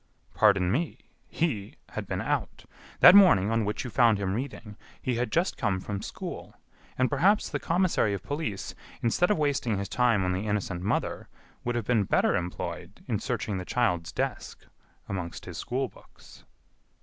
"Pardon me! He had been out. That morning, on which you found him reading, he had just come from school, and perhaps the commissary of police, instead of wasting his time on the innocent mother, would have been better employed in searching the child's desk amongst his school books."